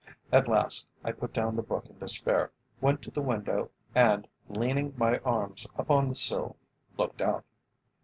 At last I put down the book in despair, went to the window and, leaning my arms upon the sill, looked out.